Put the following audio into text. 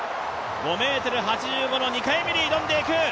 ５ｍ８５の２回目に挑んでいく。